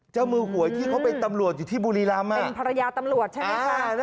เจ้ามือหวยที่เขาเป็นตำรวจอยู่ที่บุรีรำเป็นภรรยาตำรวจใช่ไหมคะ